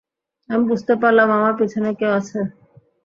আমি বুঝতে পারলাম আমার পিছনে কেউ আছে।